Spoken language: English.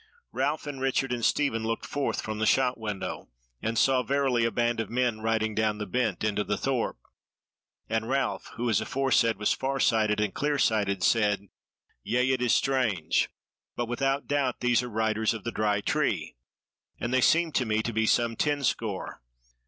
Ralph and Richard and Stephen looked forth from the shot window, and saw verily a band of men riding down the bent into the thorp, and Ralph, who as aforesaid was far sighted and clear sighted, said: "Yea, it is strange: but without doubt these are riders of the Dry Tree; and they seem to me to be some ten score.